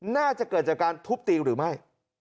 น่าจะเกิดจากการทุบตีหรือไม่